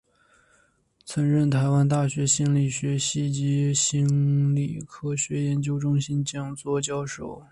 曾任台湾大学心理学系及心理科学研究中心讲座教授。